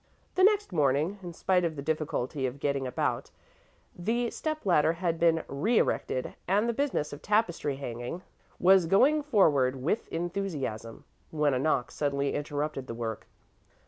The next morning, in spite of the difficulty of getting about, the step ladder had been reërected, and the business of tapestry hanging was going forward with enthusiasm, when a knock suddenly interrupted the work.